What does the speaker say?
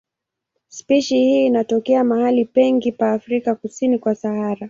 Spishi hii inatokea mahali pengi pa Afrika kusini kwa Sahara.